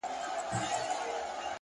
زحمت د استعداد اغېز پراخوي